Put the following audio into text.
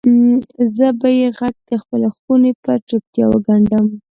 زه به یې ږغ دخپلې خونې پر چوپتیا وګنډم